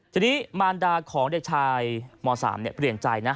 ทีนี้มารดาของเด็กชายม๓เปลี่ยนใจนะ